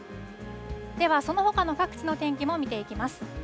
では、そのほかの各地の天気も見ていきます。